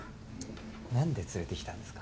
何で連れてきたんですか？